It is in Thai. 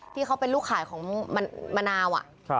ที่เขาเป็นลูกขายของมะนาว